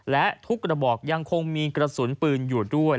และทุกกระบอกยังคงมีกระสุนปืนอยู่ด้วย